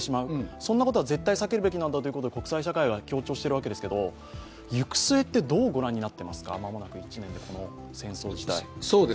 そんなことは絶対避けるべきなんだと国際社会は協調してるわけですけど行く末ってどうご覧になってますか、間もなく１年でこの戦争自体。